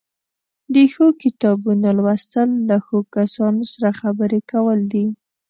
د ښو کتابونو لوستل له ښو کسانو سره خبرې کول دي.